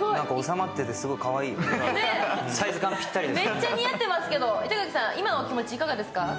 めっちゃ似合ってますけど板垣さん、今のお気持ちいかがですか。